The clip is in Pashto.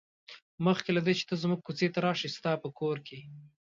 مخکې له دې چې ته زموږ کوڅې ته راشې ستا په کور کې.